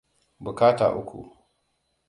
Buƙata uku.